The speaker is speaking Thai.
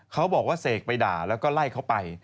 เขาบอกว่าเสกไปด่าแล้วก็ไล่เขาไป